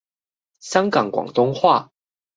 香港廣東話